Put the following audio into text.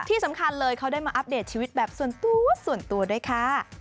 ที่สำคัญเลยเขาได้มาอัปเดตชีวิตแบบส่วนตัวส่วนตัวด้วยค่ะ